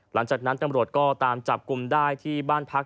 หลังจากนั้นตำรวจก็ตามจับกลุ่มได้ที่บ้านพัก